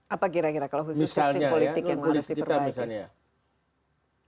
apa kira kira kalau khusus sistem politik yang harus diperbaiki